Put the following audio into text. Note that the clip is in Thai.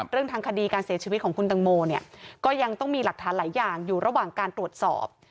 เรื่องทางคดีการเสียชีวิตของคุณตังโมเนี่ยก็ยังต้องมีหลักฐานหลายอย่างอยู่ระหว่างการตรวจสอบ